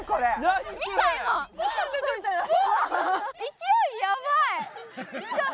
勢いやばい！